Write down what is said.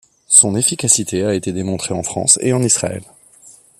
Son efficacité a été démontré en France et en Israël.